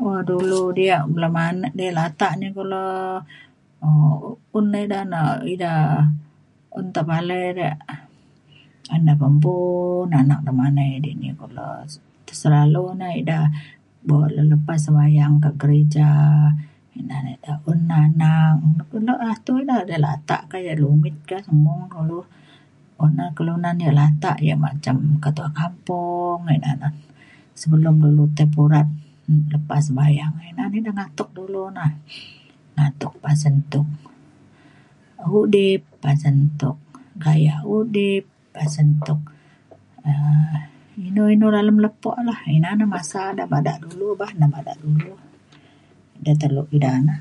um dulu diak dema- latak ni kulo um un la ida na ida un tepalai re an na pempo na anak demanai di ni kulo. te selalu na ida buk le lepas sebayang kak gereja ina na da un anak un [unintelligible] latak ka yak lumit ka pemung ulu. un na kelunan yak latak yak macam ketua kampung na ina na sebelum dulu tai purat lepa sebayang ina ne ida ngatuk dulu na. ngatuk pasen tuk udip pasen tuk gayak udip pasen tuk um inu inu dalem lepo lah. ina na masa da bada dulu bah da bada dulu da telok ida na.